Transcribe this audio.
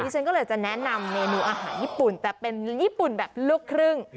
ฉันก็เลยจะแนะนำเมนูอาหารญี่ปุ่นแต่เป็นญี่ปุ่นแบบลูกครึ่ง